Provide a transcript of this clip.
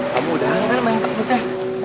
kamu udah anggar main paketnya